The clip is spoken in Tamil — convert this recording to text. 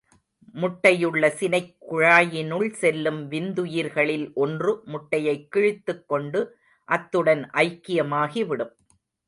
முட்டையுள்ள சினைக் குழாயினுள் செல்லும் விந்துயிர்களில் ஒன்று முட்டையைக் கிழித்துக் கொண்டு அத்துடன் ஐக்கியமாகிவிடும்.